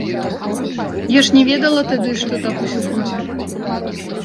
Я ж не ведала тады, што так усё будзе.